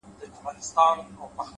زما په مرگ دي خوشالي زاهدان هيڅ نکوي;